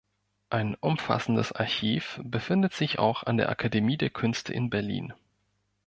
Ein umfassendes Archiv befindet sich an der Akademie der Künste in Berlin.